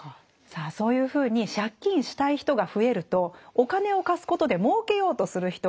さあそういうふうに借金したい人が増えるとお金を貸すことでもうけようとする人が現れます。